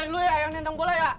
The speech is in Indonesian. lo yang nendang bola ya